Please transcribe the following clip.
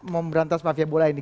mau berantas mafia bule ini